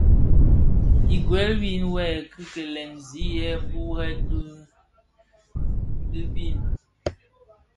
Ighel win, wuê kikilè zi yè burèn di bibid.